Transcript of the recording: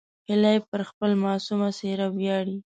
هیلۍ پر خپل معصوم څېره ویاړي